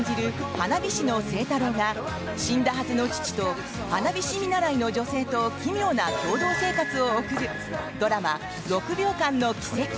花火師の星太郎が死んだはずの父と花火師見習の女性と奇妙な共同生活を送るドラマ「６秒間の軌跡」。